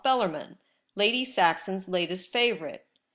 Bellarmin, Lady Saxon's latest favourite.